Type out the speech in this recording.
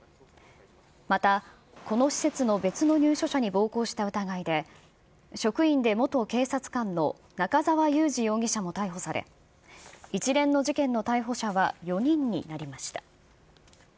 また、この施設の別の入所者に暴行した疑いで、職員で元警察官の中沢雄治容疑者も逮捕され、一連の事件の逮捕者は４人になりました。